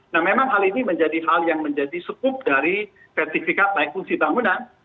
nah memang hal ini menjadi hal yang menjadi cukup dari sertifikat naik fungsi bangunan